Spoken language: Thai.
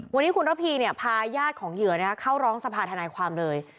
วันนี้คุณระพีพาญาติของเหยื่อเข้าร้องสภาธนายความเลย